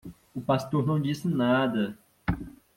O pastor não disse nada.